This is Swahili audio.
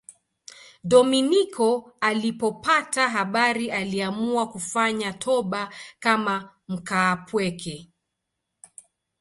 Dominiko alipopata habari aliamua kufanya toba kama mkaapweke.